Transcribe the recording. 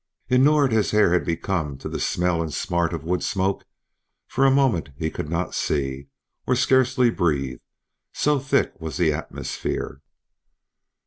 Inured as Hare had become to the smell and smart of wood smoke, for a moment he could not see, or scarcely breathe, so thick was the atmosphere.